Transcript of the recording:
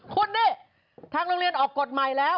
คุณนี่ทางโรงเรียนออกกฎใหม่แล้ว